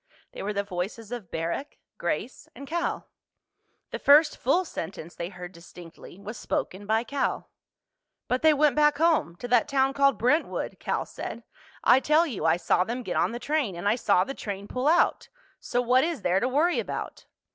They were the voices of Barrack, Grace, and Cal. The first full sentence they heard distinctly was spoken by Cal. "But they went back home—to that town called Brentwood," Cal said. "I tell you I saw them get on the train, and I saw the train pull out. So what is there to worry about?"